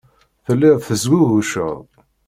Telliḍ tesguguceḍ.